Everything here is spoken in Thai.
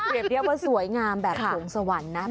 เปรียบเรียกว่าสวยงามแบบของสวรรค์นะ